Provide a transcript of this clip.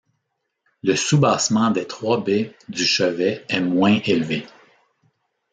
Le soubassement des trois baies du chevet est moins élevé.